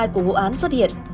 của vụ án xuất hiện